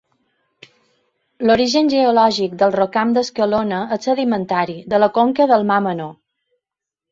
L'origen geològic del rocam d'Escalona és sedimentari, de la conca del Mar Menor.